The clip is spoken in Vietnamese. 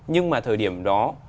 nhưng mà thời điểm đó